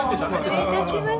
失礼いたします。